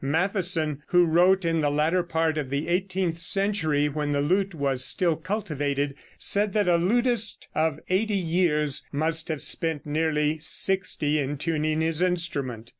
Mattheson, who wrote in the latter part of the eighteenth century, when the lute was still cultivated, said that a lutist of eighty years must have spent nearly sixty in tuning his instrument.